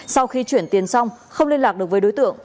sau khi chuyển tiền xong không liên lạc được với đối tượng